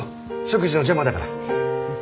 食事の邪魔だから。